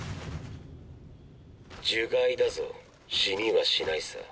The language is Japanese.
呪骸だぞ死にはしないさ。